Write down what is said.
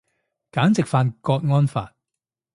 簡直犯郭安發